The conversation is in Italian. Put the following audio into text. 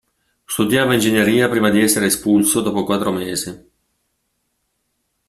Studiava ingegneria prima di essere espulso dopo quattro mesi.